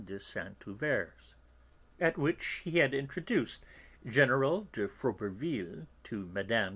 de Saint Euverte's, at which he had introduced General de Frober ville to Mme.